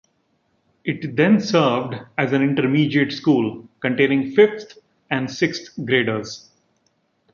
It then served as an Intermediate School, containing fifth and sixth graders.